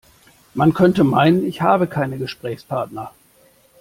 Man könnte meinen, ich habe keine Gesprächspartner.